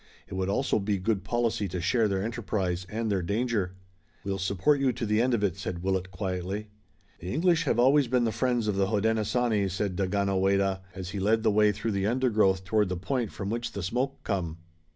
It would also be good policy to share their enterprise and their danger. "We'll support you to the end of it," said Willet quietly. "The English have always been the friends of the Hodenosaunee," said Daganoweda, as he led the way through the undergrowth toward the point from which the smoke come.